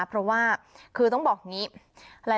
เพราะว่าคือต้องบอกงี้